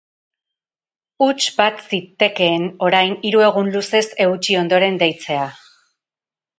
Huts bat zitekeen, orain, hiru egun luzez eutsi ondoren deitzea.